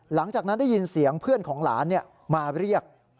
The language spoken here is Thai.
หลังจากนั้นได้ยินเสียงเพื่อนของหลานมาเรียก